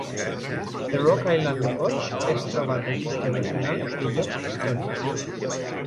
The Rock Island Depot es troba al registre nacional de llocs històrics.